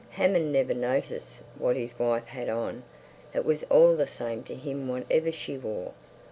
Hammond never noticed what his wife had on. It was all the same to him whatever she wore.